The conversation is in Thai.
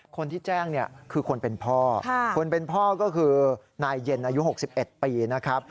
คนที่แจ้งเนี่ยคือคนเป็นพ่อคนเป็นพ่อก็คือนายเย็นอายุ๖๑ปีนะครับ